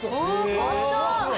簡単！